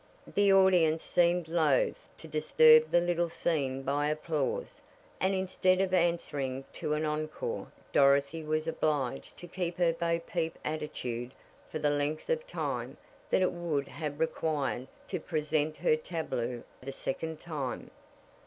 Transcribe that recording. The audience seemed loath to disturb the little scene by applause, and instead of answering to an encore Dorothy was obliged to keep her Bo Peep attitude for the length of time that it would have required to present her tableau a second time.